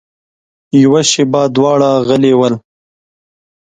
يوه شېبه دواړه غلي ول.